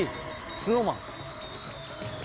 ＳｎｏｗＭａｎ！